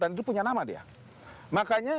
itu punya nama dia makanya